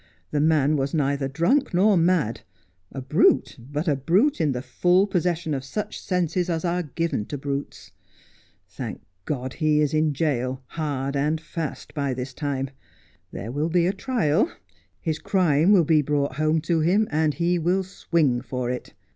The man was neither drunk nor mad — a brute, but a brute in the full possession of such senses as are given to brutes. Thank God he is in jail, hard and fast, by this time. There will be a trial ; his crime will be brought home to him, and he will swing for it.